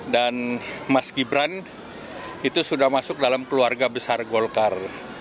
dan mas gibran itu sudah masuk dalam keluarga besar golkar